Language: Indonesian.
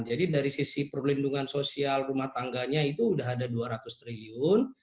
jadi dari sisi perlindungan sosial rumah tangganya itu udah ada dua ratus triliun